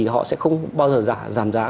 họ sẽ không bao giờ giảm giá